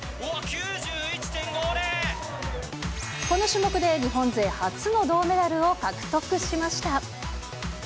この種目で日本勢初の銅メダルを獲得しました。